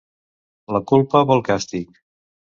La culpa vol càstig.